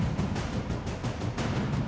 ya kita kembali ke sekolah